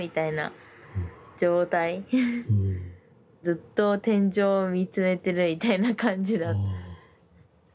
ずっと天井見つめてるみたいな感じだった。